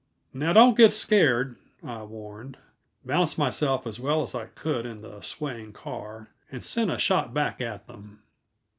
"Now, don't get scared," I warned, balanced myself as well as I could in the swaying car, and sent a shot back at them.